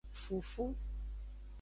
Fufu.